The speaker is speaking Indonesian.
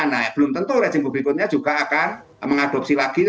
nah belum tentu rezim berikutnya juga akan mengadopsi lagi